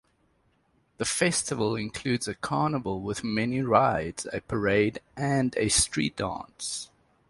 The festival includes a carnival with many rides, a parade, and a street dance.